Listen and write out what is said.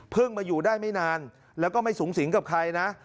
มาอยู่ได้ไม่นานแล้วก็ไม่สูงสิงกับใครนะ